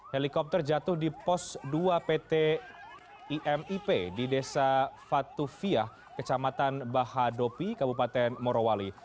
helikopter jatuh di pos dua pt imip di desa fatufiah kecamatan bahadopi kabupaten morowali